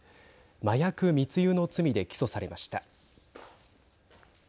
麻薬密輸の罪で起訴されました。